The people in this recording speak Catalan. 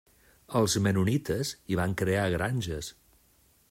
Els Mennonites hi van crear granges.